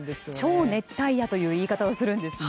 超熱帯夜という言い方をするんですね。